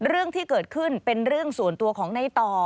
เรื่องที่เกิดขึ้นเป็นเรื่องส่วนตัวของในต่อ